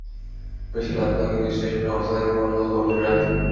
বেশি রাত নয়, কিন্তু স্টেশনের অবস্থা দেখে মনে হলো গভীর রাত।